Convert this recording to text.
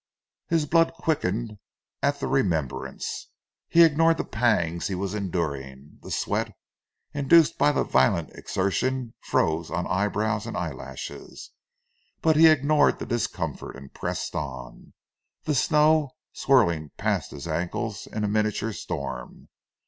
His blood quickened at the remembrance. He ignored the pangs he was enduring. The sweat, induced by the violent exertion froze on eyebrows and eyelashes, but he ignored the discomfort, and pressed on, the snow swirling past his ankles in a miniature storm.